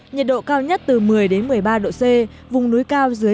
nhiệt độ cao nhất từ một mươi đến một mươi ba độ c vùng núi cao dưới một mươi độ c